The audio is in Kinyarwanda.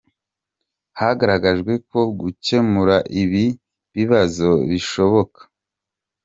Hagaragajwe ko gukemura ibi bibazo bishoboka.